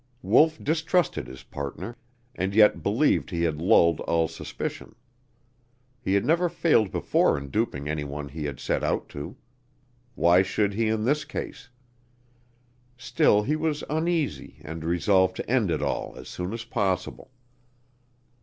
Wolf distrusted his partner, and yet believed he had lulled all suspicion. He had never failed before in duping any one he had set out to; why should he in this case? Still, he was uneasy and resolved to end it all as soon as possible.